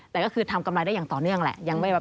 แต่ก็คือทำกำไรได้อย่างต่อเนื่องแหละ